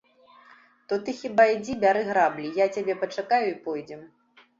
То ты хіба ідзі бяры граблі, я цябе пачакаю і пойдзем.